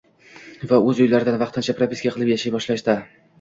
va o‘z uylarida vaqtincha propiska qilib yashay boshlashdi.